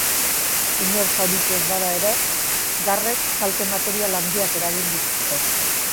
Inor zauritu ez bada ere, garrek kalte material handiak eragin dituzte.